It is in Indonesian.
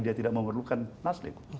dia tidak memerlukan nasdem